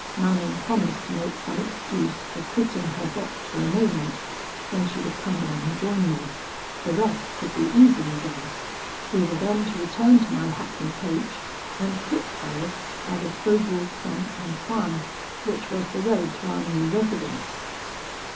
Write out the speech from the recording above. Manon promised to make some excuse for quitting her box for a moment, when she would come down and join me. The rest could be easily done. We were then to return to my hackney coach, and quit Paris by the Faubourg St. Antoine, which was the road to our new residence.